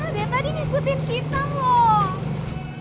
dari tadi ngikutin kita loh